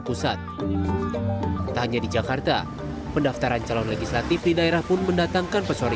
pusat tanya di jakarta pendaftaran calon legislatif di daerah pun mendatangkan pesohori